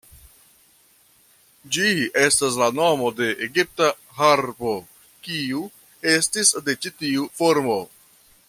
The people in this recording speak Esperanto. Ĝi estas la nomo de egipta harpo, kiu estis de ĉi tiu formo".